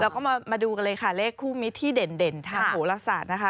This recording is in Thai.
แล้วก็มาดูกันเลยค่ะเลขคู่มิตรที่เด่นทางโหลศาสตร์นะคะ